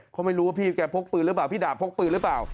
เขาไม่รู้ว่าพี่แกพกปืนหรือเปล่าพี่ดาบพกปืนหรือเปล่า